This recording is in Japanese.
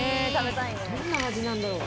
どんな味なんだろう。